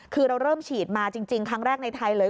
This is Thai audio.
คือเราเริ่มฉีดมาจริงครั้งแรกในไทยเลย